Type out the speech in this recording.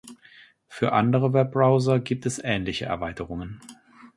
Für andere Webbrowser gibt es ähnliche Erweiterungen.